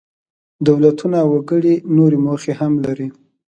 دولتونه او وګړي نورې موخې هم لري.